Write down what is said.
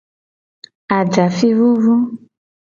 Ajafi vuvu.